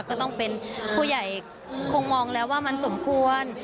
ก็ต้องเป็นผู้ใหญ่คงมองแล้วว่ามันสมควร